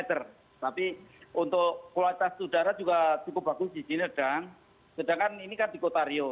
tapi untuk kualitas udara juga cukup bagus di ciledang sedangkan ini kan di kota rio